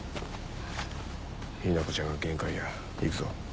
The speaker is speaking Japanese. ヒナコちゃんが限界や行くぞ。